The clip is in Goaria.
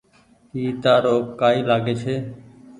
اي تآرو ڪآئي لآگي ڇي۔